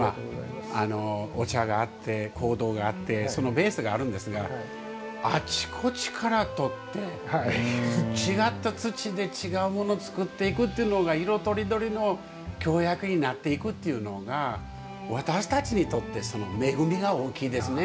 お茶があって香道があってそのベースがあるんですがあちこちから取って違った土で違うもの作っていくっていうのが色とりどりの京焼になっていくっていうのが私たちにとって恵みが大きいですね。